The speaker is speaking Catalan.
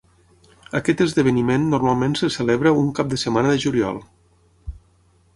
Aquest esdeveniment normalment se celebra un cap de setmana de juliol.